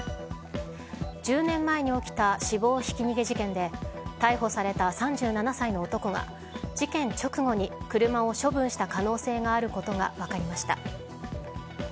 １０年前に起きた死亡ひき逃げ事件で逮捕された３７歳の男が事件直後に車を処分した可能性があることが分かりました。